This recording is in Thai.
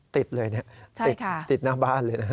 ติดเลยเนี่ยติดหน้าบ้านเลยนะฮะ